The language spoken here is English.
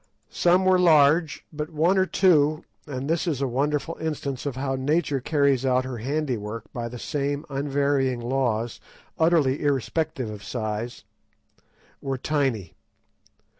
Some were large, but one or two—and this is a wonderful instance of how nature carries out her handiwork by the same unvarying laws, utterly irrespective of size—were tiny.